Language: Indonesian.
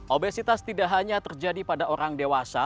obesitas tidak hanya terjadi pada orang dewasa